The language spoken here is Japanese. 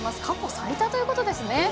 過去最多ということですね。